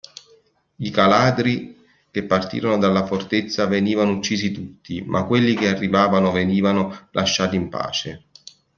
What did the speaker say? I caladri che partivano dalla fortezza venivano uccisi tutti, ma quelli che arrivavano venivano lasciati in pace.